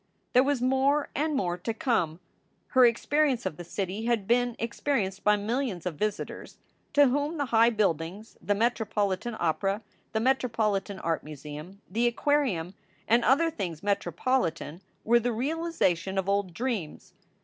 There was more and more to come. Her experience of the city had been experienced by millions of visitors, to whom the high buildings, the Metropolitan Opera, the Metropolitan Art Museum, the Aquarium and other things metropolitan were the realization of old dreams.